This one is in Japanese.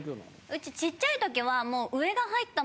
うちちっちゃい時はもう。